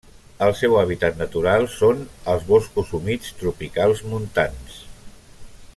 El seu hàbitat natural són els boscos humits tropicals montans.